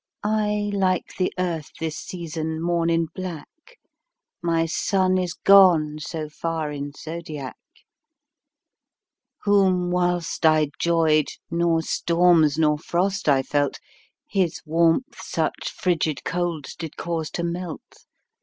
I, like the Earth this season, mourn in black, My Sun is gone so far in's zodiac, Whom whilst I 'joyed, nor storms, nor frost I felt, His warmth such fridged colds did cause to melt.